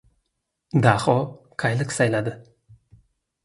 Daho qayliq sayladi.